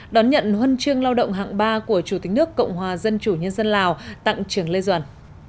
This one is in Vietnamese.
đón nhận huân chương lao động hạng ba của chủ tịch nước cộng hòa dân chủ nhân dân lào tặng trường lê duẩn